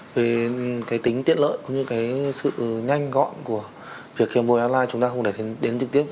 về tính tiện lợi cũng như sự nhanh gọn của việc khiêm môi online